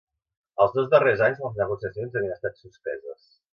Els dos darrers anys les negociacions havien estat suspeses.